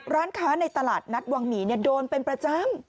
ร้านค้าในตลาดนัดวังหมีโดนเป็นประจำ